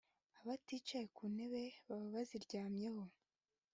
Abaticaye ku ntebe baba baziryamyeho